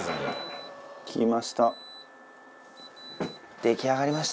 できました。